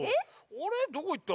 あれどこいった？